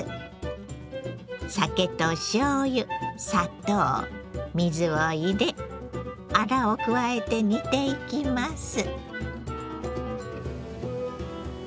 酒としょうゆ砂糖水を入れあらを加えて煮ていきます。